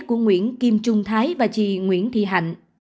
của nguyễn kim trung thái và chị nguyễn thị hạnh